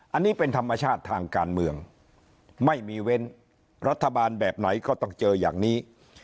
อันนี้เป็นธรรมชาติทางการเมืองไม่มีเว้นรัฐบาลแบบไหนก็ต้องเจออย่างนี้